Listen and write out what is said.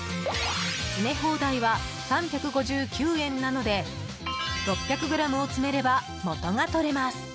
詰め放題は３５９円なので６００ｇを詰めればもとが取れます。